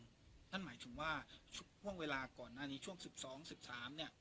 ฉะนั้นหมายถึงว่าพรุ่งเวลาก่อนในนี้ช่วง๑๒๑๓นเนี่ย